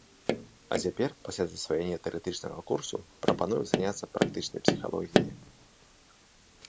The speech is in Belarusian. А цяпер, пасля засваення тэарэтычнага курсу, прапаную заняцца практычнай псіхалогіяй.